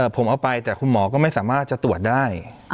ผมเอาไปแต่คุณหมอก็ไม่สามารถจะตรวจได้